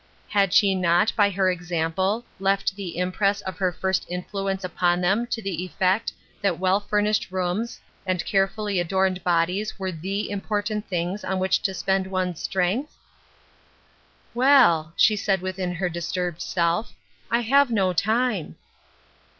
Had she not, by her example, left the impress of her first influence upon them to the effect that well furnished rooms and care* 846 Ruth Erskines Crosses. fully adorned bodies were the important thingi on which to spend one's strength ?" Well," she said within her disturbed self, " I have no time."